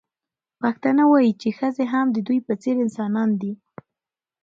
پښتانه وايي چې ښځې هم د دوی په څېر انسانان دي.